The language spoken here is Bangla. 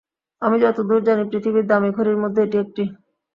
আমি যতদূর জানি, পৃথিবীর দামী ঘড়ির মধ্যে এটি একটি।